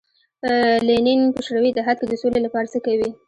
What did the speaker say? لینین په شوروي اتحاد کې د سولې لپاره څه کوي.